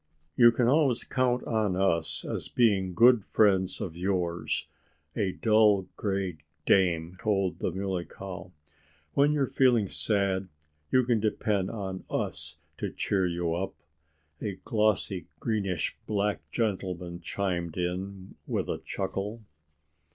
"You can always count on us as being good friends of yours," a dull gray dame told the Muley Cow. "When you're feeling sad you can depend on us to cheer you up," a glossy, greenish black gentleman chimed in with a chuckle.